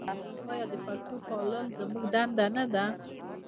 آیا د پښتو پالل زموږ دنده نه ده؟